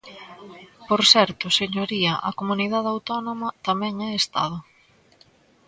Por certo, señoría, a Comunidade Autónoma tamén é Estado.